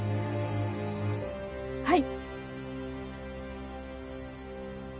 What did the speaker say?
はい。